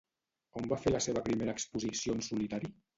On va fer la seva primera exposició en solitari?